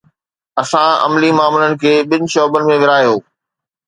اسان عملي معاملن کي ٻن شعبن ۾ ورهايو.